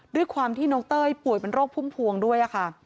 ด้วยความที่น้องเต้ยป่วยเป็นโรคพุ่มพวงด้วยค่ะ